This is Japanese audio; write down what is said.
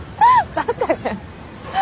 バカじゃん。